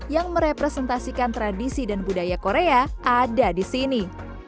yang merepresentasikan tradisi dan budaya korea ada di sini